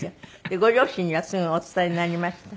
ご両親にはすぐお伝えになりました？